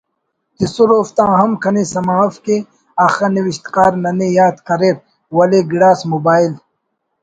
تسر اوفتا ہم کنے سما اف کہ اخہ نوشتکار ننے یات کریر ولے گڑاس موبائل